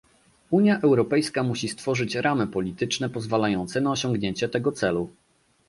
Unia Europejska musi stworzyć ramy polityczne pozwalające na osiągnięcie tego celu